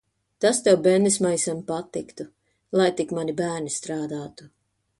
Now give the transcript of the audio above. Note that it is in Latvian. Tas tev, bendesmaisam, patiktu. Lai tik mani bērni strādātu.